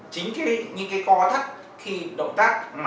chính những cái co thắt khi động tác